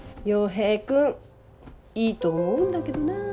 洋平君いいと思うんだけどな。